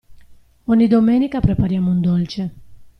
Ogni Domenica prepariamo un dolce.